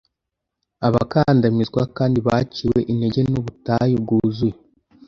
Abakandamizwa kandi baciwe intege nubutayu bwuzuye